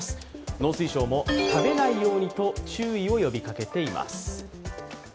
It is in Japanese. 農水省も食べないようにと注意を呼びかけています。